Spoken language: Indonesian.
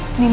ma ini ada